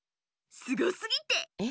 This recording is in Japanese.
すごすぎてえっ？